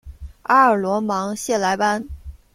阿尔罗芒谢莱班。